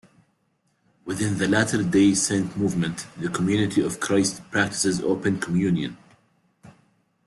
Within the Latter Day Saint movement, the Community of Christ practices open communion.